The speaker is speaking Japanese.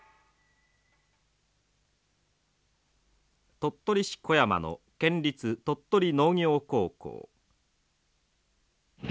鳥取市湖山の県立鳥取農業高校。